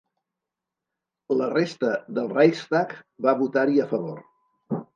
La resta del Reichstag va votar-hi a favor.